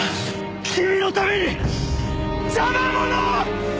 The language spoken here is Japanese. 君のために邪魔者を！